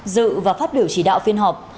dự và phát biểu chỉ đạo phiên họp